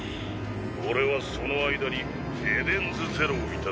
俺はその間にエデンズゼロを頂く。